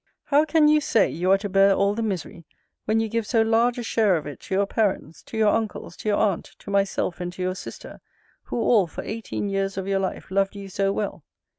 How can you say, you are to bear all the misery, when you give so large a share of it to your parents, to your uncles, to your aunt, to myself, and to your sister; who all, for eighteen years of your life, loved you so well?